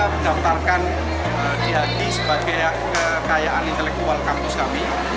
kita daftarkan di hg sebagai kekayaan intelektual kampus kami